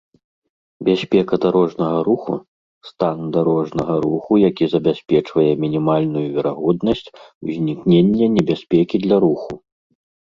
бяспека дарожнага руху — стан дарожнага руху, які забяспечвае мінімальную верагоднасць узнікнення небяспекі для руху